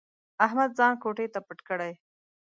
احمد ځان کوټې ته پټ کړي.